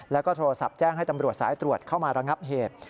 แล้วก็โทรศัพท์แจ้งให้ตำรวจสายตรวจเข้ามาระงับเหตุ